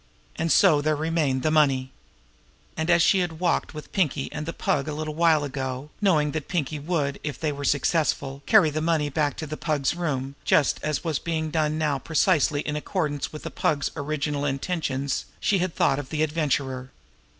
And so there remained the money. And, as she had walked with Pinkie and the Pug a little while ago, knowing that Pinkie would, if they were successful, carry the money back to the Pug's room, just as was being done now precisely in accordance with the Pug's original intentions, she had thought of the Adventurer.